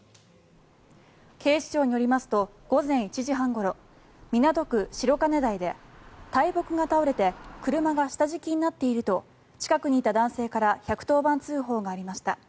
警視庁によりますと午前１時半ごろ港区白金台で大木が倒れて車が下敷きになっていると近くにいた男性から１１０番通報がありました。